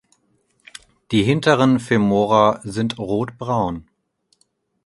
Die hinteren Femora sind rotbraun.